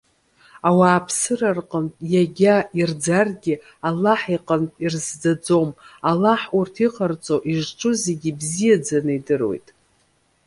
Ауааԥсыра рҟынтә иагьа ирӡаргьы, Аллаҳ иҟынтә ирызӡаӡом. Аллаҳ урҭ иҟарҵо, изҿу зегьы ибзиаӡаны идыруеит.